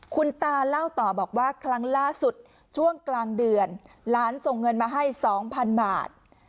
คุณตาเล่าต่อบอกว่าครั้งล่าสุดช่วงกลางเดือนหลานส่งเงินมาให้๒๐๐๐บาท